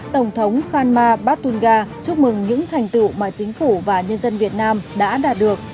tổng thống khan mattungga chúc mừng những thành tựu mà chính phủ và nhân dân việt nam đã đạt được